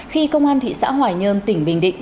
khi công an thị xã hoài nhơn tỉnh bình định